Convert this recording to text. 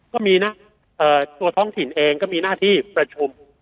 ก็มีนะตัวท้องถิ่นเองก็มีหน้าที่ประชุม